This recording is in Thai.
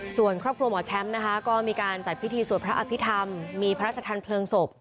ส่วนครอบครัวหมอแชมป์ก็มีการจัดพิธีศักรณ์ประพิธามมีพระราชธรรมย์เพลิงศพ